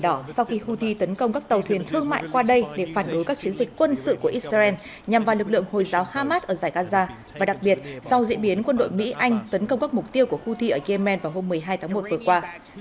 trong đó sau khi houthi tấn công các tàu thuyền thương mại qua đây để phản đối các chiến dịch quân sự của israel nhằm vào lực lượng hồi giáo hamas ở giải gaza và đặc biệt sau diễn biến quân đội mỹ anh tấn công các mục tiêu của houthi ở yemen vào hôm một mươi hai tháng một vừa qua